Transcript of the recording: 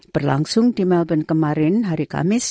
berlangsung di melbourne kemarin hari kamis